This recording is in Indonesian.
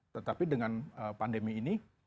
tetapi dengan pandemi ini